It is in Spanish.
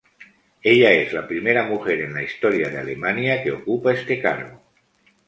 Ella es la primera mujer en la historia de Alemania que ocupa este cargo.